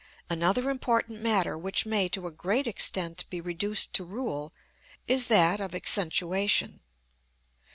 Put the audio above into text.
Another important matter which may to a great extent be reduced to rule is that of accentuation.